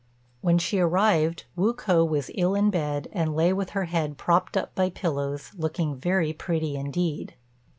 When she arrived Wu k'o was ill in bed, and lay with her head propped up by pillows, looking very pretty indeed.